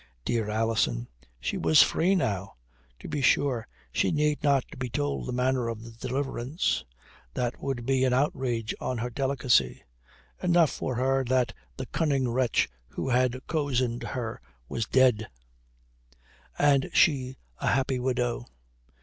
Dear Alison! She was free now. To be sure, she need not be told the manner of the deliverance. That would be an outrage on her delicacy. Enough for her that the cunning wretch who had cozened her was dead, and she a happy widow.